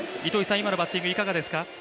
今のバッティングいかがでした？